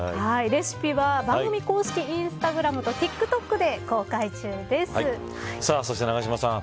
レシピは番組公式インスタグラムとそして永島さん